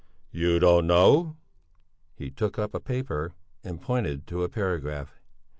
"You don't know?" He took up a paper and pointed to a paragraph.